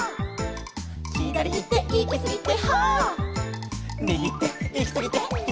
「ひだりいっていきすぎて」